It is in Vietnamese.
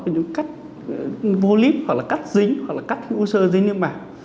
như cách polyp hoặc là cách dính hoặc là cách u sơ dính như mạng